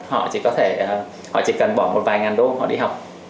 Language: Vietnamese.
họ chỉ có thể họ chỉ cần bỏ một vài ngàn đô họ đi học